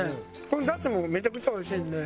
このだしもめちゃくちゃおいしいんで。